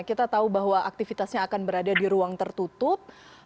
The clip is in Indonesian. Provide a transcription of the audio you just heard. kita tahu bahwa aktivitasnya akan berada di ruang tertutup